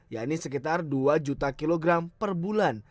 yakni sekitar dua juta kilogram per bulan